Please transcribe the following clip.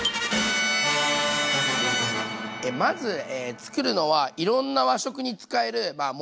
まず作るのはいろんな和食に使えるもと。